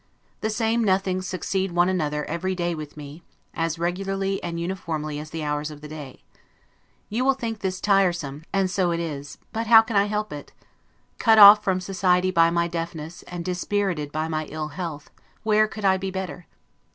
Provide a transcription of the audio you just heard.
The same nothings succeed one another every day with me, as, regularly and uniformly as the hours of the day. You will think this tiresome, and so it is; but how can I help it? Cut off from society by my deafness, and dispirited by my ill health, where could I be better?